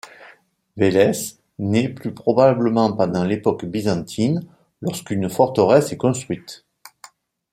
Vélès naît plus probablement pendant l'époque byzantine, lorsqu'une forteresse est construite.